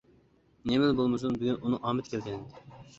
نېمىلا بولمىسۇن بۈگۈن ئۇنىڭ ئامىتى كەلگەنىدى.